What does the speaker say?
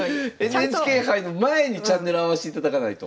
ＮＨＫ杯の前にチャンネル合わしていただかないと。